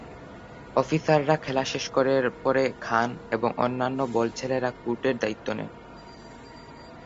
অফিসাররা খেলা শেষ করার পরে, খান এবং অন্যান্য বল ছেলেরা কোর্টের দায়িত্ব নেয়।